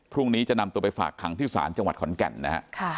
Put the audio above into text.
พรุ่งนี้จะนำตัวไปฝากขังที่ศาลจังหวัดขอนแก่นนะฮะ